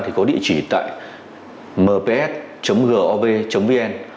thì có địa chỉ tại mps gov vn